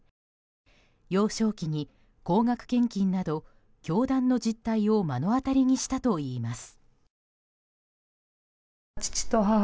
幼少期に高額献金など教団の実態を目の当たりにしたといいます。